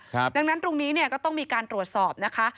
ดังนั้นตรงนี้เนี่ยก็ต้องมีการตรวจสอบนะคะ